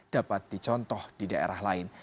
dapat dicontoh di daerah lain